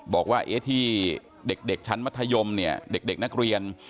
บอกว่าเอธีเด็กชั้นมัธยมเด็กนักเรียน